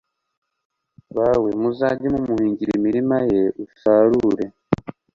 bawe muzajye mumuhingira imirima ye usarure